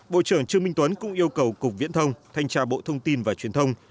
bộ trưởng trương minh tuấn cũng yêu cầu cục viễn thông thanh tra bộ thông tin và truyền thông